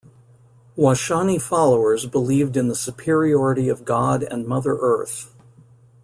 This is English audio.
Washani followers believed in the superiority of God and Mother Earth.